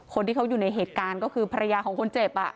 คนที่เขาอยู่ในเหตุการณ์ก็คือภรรยาของคนเจ็บ